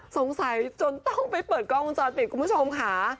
สงสัยจนต้องไปเปิดกล้องวงจรปิดคุณผู้ชมค่ะ